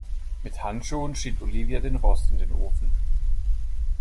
Mit Handschuhen schiebt Olivia den Rost in den Ofen.